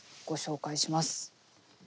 ご紹介します。